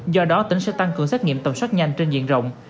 do đó tỉnh sẽ tăng cường xét nghiệm tầm soát nhanh trên diện rộng